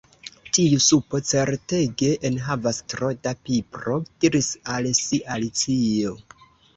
"Tiu supo certege enhavas tro da pipro," diris al si Alicio.